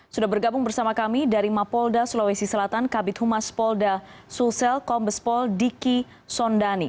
sudah bergabung bersama kami dari mapolda sulawesi selatan kabit humas polda sulsel kombespol diki sondani